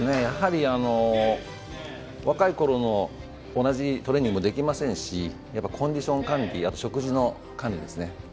やはり若いころの同じトレーニングもできませんしコンディション管理、あと食事の管理ですね。